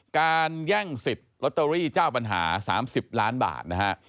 การแย่งสิทธิ์ลอตเตอรี่เจ้าปัญหา๓๐ล้านบาทนะฮะ